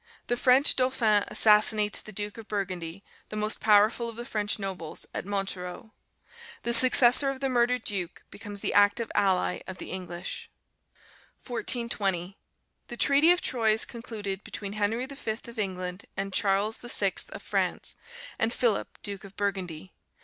The French Dauphin assassinates the Duke of Burgundy, the most powerful of the French nobles, at Montereau. The successor of the murdered duke becomes the active ally of the English. 1420. The Treaty of Troyes is concluded between Henry V. of England and Charles VI. of France, and Philip, duke of Burgundy.